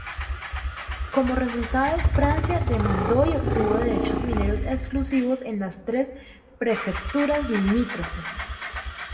Como resultado, Francia demandó y obtuvo derechos mineros exclusivos en las tres prefecturas limítrofes.